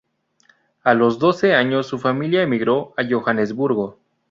A los doce años su familia emigró a Johannesburgo.